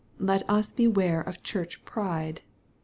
Let us beware of Church pride.